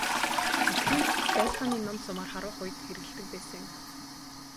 Эрт үед байлдааны нум сумаар харвах үед хэрэглэдэг байсан юм.